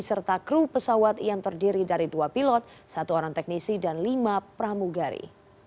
serta kru pesawat yang terdiri dari dua pilot satu orang teknisi dan lima pramugari